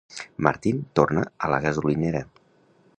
Martin torna a la gasolinera.